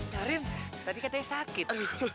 karin tadi katanya sakit